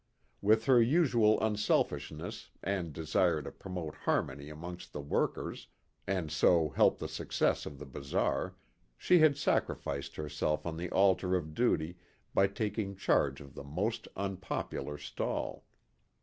With her usual unselfishness and desire to promote harmony amongst the workers, and so help the success of the bazaar, she had sacrificed herself on the altar of duty by taking charge of the most unpopular stall.